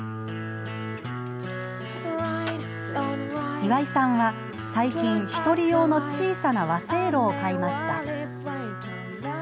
岩井さんは最近、１人用の小さな和せいろを買いました。